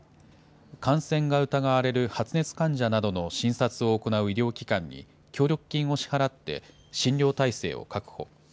感染が疑われる発熱患者などの診察を行う医療機関に、協力金を支払って、診療体制を確保。